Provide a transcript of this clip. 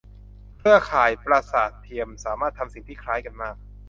เครือข่ายประสาทเทียมสามารถทำสิ่งที่คล้ายกันมาก